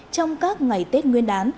trong các ngày tết nguyên đán